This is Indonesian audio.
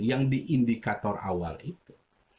yang di indikator awal itu